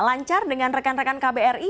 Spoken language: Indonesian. lancar dengan rekan rekan kbri